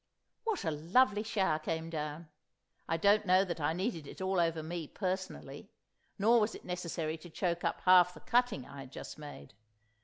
What a lovely shower came down! I don't know that I needed it all over me, personally; nor was it necessary to choke up half the cutting I had just made.